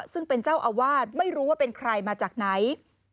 ซึ่งเป็นเจ้าอาวาสไม่รู้ว่าเป็นใครมาจากไหน